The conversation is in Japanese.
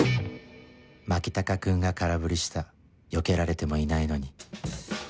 牧高君が空振りしたよけられてもいないのに